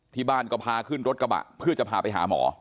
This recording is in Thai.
ที่บ้านก็พาขึ้นรถกระบะเพื่อจะพาไปหาหมอ